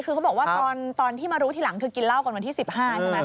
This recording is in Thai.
คือเขาบอกว่าตอนที่มารู้ทีหลังเธอกินเหล้ากันวันที่๑๕ใช่ไหม